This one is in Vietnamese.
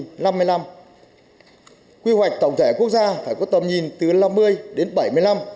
tầm nhìn là năm mươi năm quy hoạch tổng thể quốc gia phải có tầm nhìn từ năm mươi đến bảy mươi năm